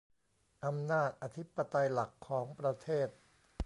อำนาจอธิปไตยหลักของประเทศ